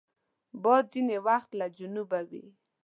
باد ځینې وخت له جنوبه وي